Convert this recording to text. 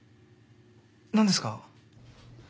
何ですか？